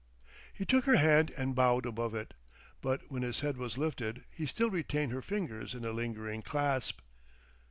He took her hand and bowed above it; but when his head was lifted, he still retained her fingers in a lingering clasp.